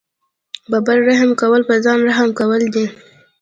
په بل رحم کول په ځان رحم کول دي.